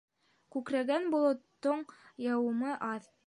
Күкрәгән болоттоң яуымы аҙ.